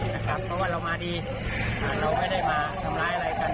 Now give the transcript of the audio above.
เพราะว่าเรามาดีเราไม่ได้มาทำร้ายอะไรกัน